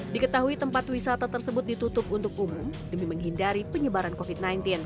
diketahui tempat wisata tersebut ditutup untuk umum demi menghindari penyebaran covid sembilan belas